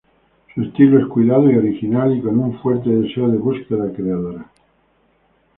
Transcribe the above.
Su estilo es cuidado y original y con un fuerte deseo de búsqueda creadora.